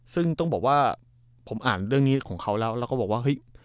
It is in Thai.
ซึ่งต้องบอกว่าผมอ่านเรื่องนี้ของเขาแล้วแล้วก็บอกว่าเฮ้ย